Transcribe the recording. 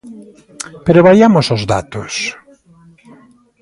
Pero vaiamos aos datos.